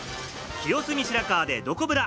清澄白河で、どこブラ。